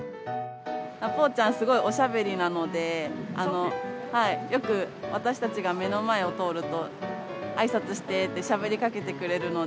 ポーちゃん、すごいおしゃべりなので、よく私たちが目の前を通ると、あいさつしてーって、しゃべりかけてくれるので。